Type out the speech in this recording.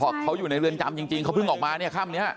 เพราะเขาอยู่ในเรือนจำจริงเขาเพิ่งออกมาเนี่ยค่ำนี้